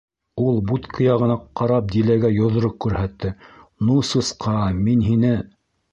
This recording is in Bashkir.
— Ул будка яғына ҡарап Диләгә йоҙроҡ күрһәтте: — Ну сусҡа, мин һине!